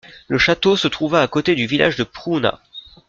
Le château se trouve à côté du village de Pruuna.